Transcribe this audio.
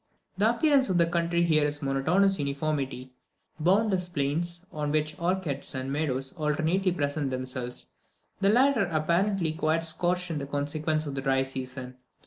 The appearance of the country here is of monotonous uniformity boundless plains, on which orchards and meadows alternately present themselves, the latter apparently quite scorched up in consequence of the dry season.